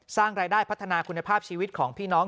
สร้างรายได้พัฒนาคุณภาพชีวิตของพี่น้อง